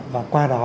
và qua đó